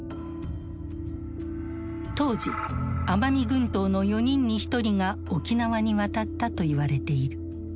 当時奄美群島の４人に１人が沖縄に渡ったと言われている。